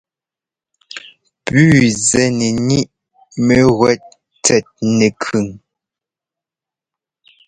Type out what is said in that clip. Puu zɛ́ nɛ ŋíʼ mɛ́gúɛ́t tsɛt nɛkʉn.